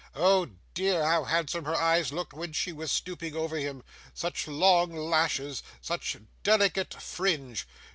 'Oh dear! How handsome her eyes looked when she was stooping over him! Such long lashes, such delicate fringe!